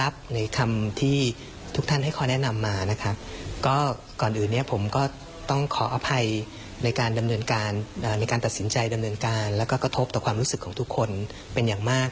และก็อย่างที่ก็จะทบต่อความรู้สึกของทุกคนมาก